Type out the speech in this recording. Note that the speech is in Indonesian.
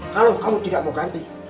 kalau kamu tidak mau ganti